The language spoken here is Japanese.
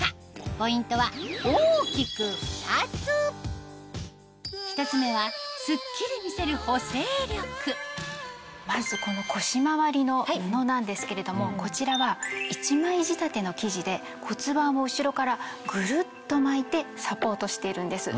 ポイントは大きく２つ１つ目はまずこの腰回りの布なんですけれどもこちらは１枚仕立ての生地で骨盤を後ろからぐるっと巻いてサポートしているんです。